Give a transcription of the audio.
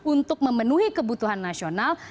untuk memenuhi kebutuhan nasional